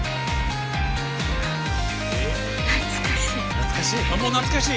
懐かしい。